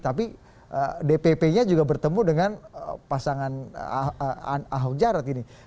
tapi dpp nya juga bertemu dengan pasangan ahok jarot ini